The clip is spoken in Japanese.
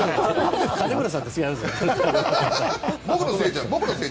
金村さんとは違いますね。